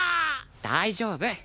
大丈夫。